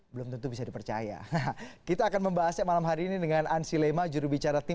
belum tentu bisa dipercaya kita akan membahasnya malam hari ini dengan ansi lema jurubicara tim